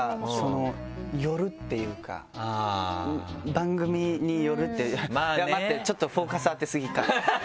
番組によるっていや待ってちょっとフォーカス当てすぎか。